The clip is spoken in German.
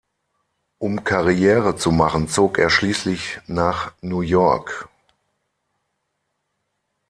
Um Karriere zu machen zog er schließlich nach New York.